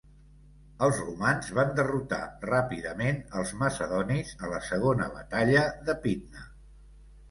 Els romans van derrotar ràpidament els macedonis a la segona batalla de Pydna.